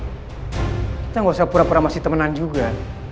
kita nggak usah pura pura masih temenan juga